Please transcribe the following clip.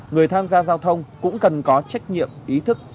người tham gia giao thông cũng cần có trách nhiệm ý thức